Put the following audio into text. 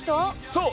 そう。